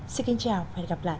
xin kính chào và hẹn gặp lại